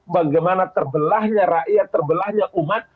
bagaimana terbelahnya rakyat terbelahnya umat